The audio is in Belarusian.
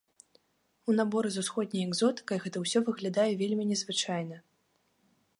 У наборы з усходняй экзотыкай гэта ўсе выглядае вельмі незвычайна.